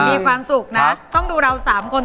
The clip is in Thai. มีความสุขนะต้องดูเรา๓คน